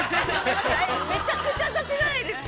◆めちゃくちゃ雑じゃないですか。